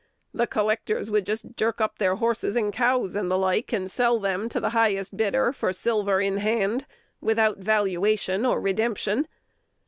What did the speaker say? The collectors would just jerk up their horses and cows, and the like, and sell them to the highest bidder for silver in hand, without valuation or redemption.